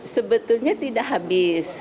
sebetulnya tidak habis